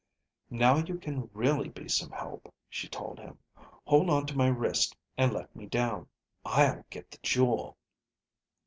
"Now you can really be some help," she told him. "Hold on to my wrist and let me down. I'll get the jewel."